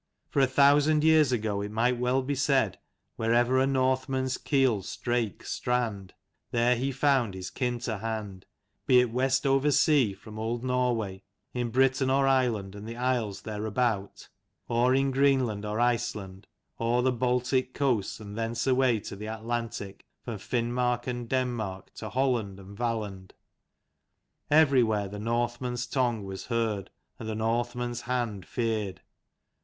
For a thousand years ago it might well be said wherever a Northman's keel strake strand there he found his kin to hand ; be it west over sea from old Norway, in Britain or Ireland and the isles thereabout ; or in Green land or Iceland ; or the Baltic coasts, and thenceaway to the Atlantic, from Finmark and Denmark to Holland and Valland; everywhere the Northman's tongue was heard and the Northman's hand feared.